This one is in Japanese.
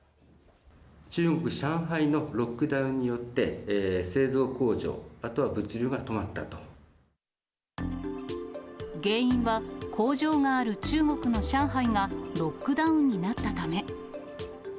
中国・上海のロックダウンによって、製造工場、原因は、工場がある中国の上海がロックダウンになったため。